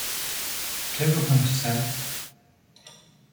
"czego pan chce?"